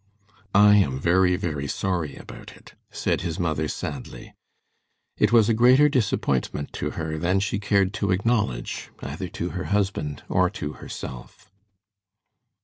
"I am very, very sorry about it," said his mother, sadly. It was a greater disappointment to her than she cared to acknowledge either to her husband or to herself.